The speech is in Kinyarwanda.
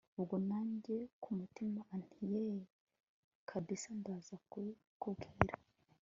ubwo nanjye kumutima nti yeeeh! kabsa ndaza kukikubwira